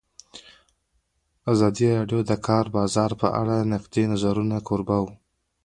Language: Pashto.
ازادي راډیو د د کار بازار په اړه د نقدي نظرونو کوربه وه.